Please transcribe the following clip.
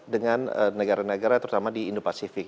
dengan negara negara terutama di indo pasifik